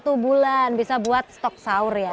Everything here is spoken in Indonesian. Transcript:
satu bulan bisa buat stok sahur ya